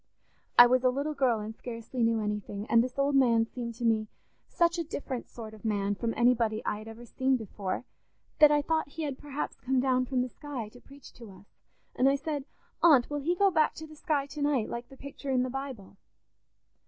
I was a little girl and scarcely knew anything, and this old man seemed to me such a different sort of a man from anybody I had ever seen before that I thought he had perhaps come down from the sky to preach to us, and I said, 'Aunt, will he go back to the sky to night, like the picture in the Bible?